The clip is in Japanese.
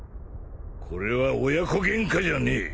これは親子ゲンカじゃねえ。